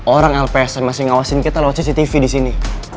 orang lps yang masih ngawasin kita lewat cctv disini